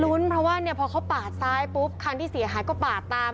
รุ้นเพราะว่าเนี่ยพอเขาปาดซ้ายปุ๊บคันที่เสียหายก็ปาดตาม